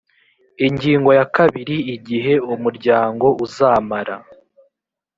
Ingingo ya kabiri Igihe umuryango uzamara